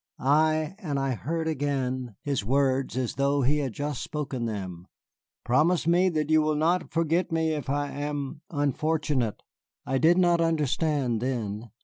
Ay, and I heard again his words as though he had just spoken them, "Promise me that you will not forget me if I am unfortunate." I did not understand then.